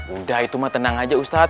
udah itu mah tenang aja ustadz